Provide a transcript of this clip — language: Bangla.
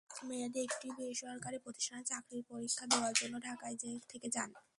মেহেদি একটি বেসরকারি প্রতিষ্ঠানে চাকরির পরীক্ষা দেওয়ার জন্য ঢাকায় থেকে যান।